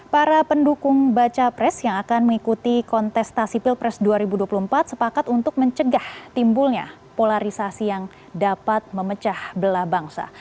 para pendukung baca pres yang akan mengikuti kontestasi pilpres dua ribu dua puluh empat sepakat untuk mencegah timbulnya polarisasi yang dapat memecah belah bangsa